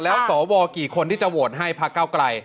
แล้วสวกี่คนที่จะโหวนให้ภาคก้าวกลาย